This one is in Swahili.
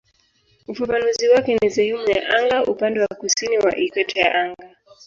Ufafanuzi wake ni "sehemu ya anga upande wa kusini wa ikweta ya anga".